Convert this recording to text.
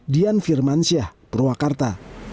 dian firmansyah purwakarta